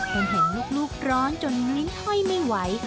เผ็ดแห็งลูกร้อนจนมิ้นถ่อยไม่ไหว